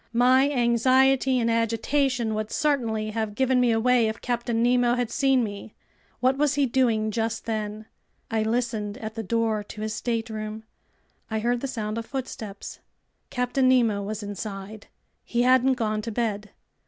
My anxiety and agitation would certainly have given me away if Captain Nemo had seen me. What was he doing just then? I listened at the door to his stateroom. I heard the sound of footsteps. Captain Nemo was inside. He hadn't gone to bed.